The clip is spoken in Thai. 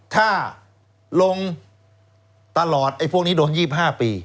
ถ้าลงตลอดไอ้พวกนี้โดน๒๕ปี